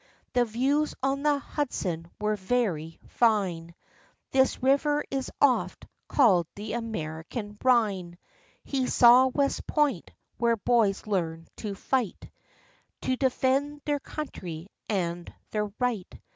The views on the Hudson were very fine, — This river is oft called the American Ehine. He saw West Point, where boys learn to fight, To defend their country and their right.